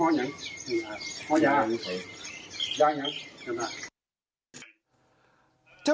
พระอยู่ที่ตะบนมไพรครับ